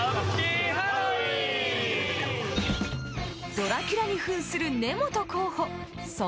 ドラキュラにふんする根本候補。